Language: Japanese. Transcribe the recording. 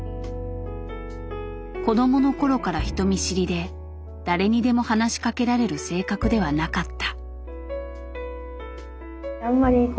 子どもの頃から人見知りで誰にでも話しかけられる性格ではなかった。